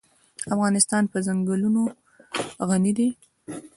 افغانستان په ځنګلونه غني دی.